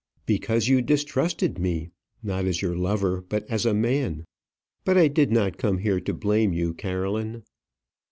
"Because you distrusted me; not as your lover, but as a man. But I did not come here to blame you, Caroline."